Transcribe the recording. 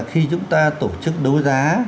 khi chúng ta tổ chức đấu giá